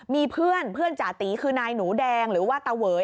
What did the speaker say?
มีเพื่อนเพื่อนจาตีคือนายหนูแดงหรือว่าตะเวย